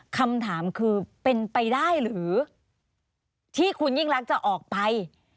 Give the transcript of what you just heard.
คำถามคือเป็นไปได้หรือที่คุณยิ่งรักจะออกไป